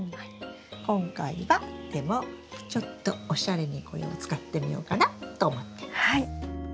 今回はでもちょっとおしゃれにこれを使ってみようかなと思ってます。